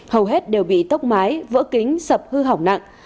hầu hết đều bị tốc mái vỡ kính sập hư hỏng nặng